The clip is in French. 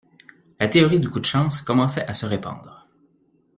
la théorie du coup de chance commençait à se répandre.